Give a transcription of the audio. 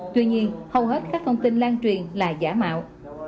tuy nhiên hầu hết các thông tin lan truyền là giả mạo